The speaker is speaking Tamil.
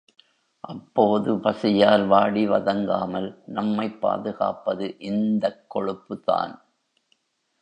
அப்போது, பசியால் வாடி வதங்காமல் நம்மைப் பாதுகாப்பது இந்தக் கொழுப்புத் தான்.